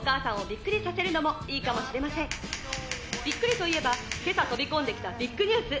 「びっくりといえば今朝飛び込んできたビッグニュース」